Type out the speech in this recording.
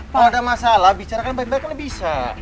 kalau ada masalah bicarakan baik baik aja bisa